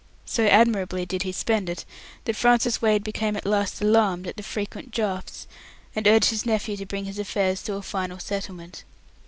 So admirably did he spend it, that Francis Wade became at last alarmed at the frequent drafts, and urged his nephew to bring his affairs to a final settlement.